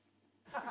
ハハハ！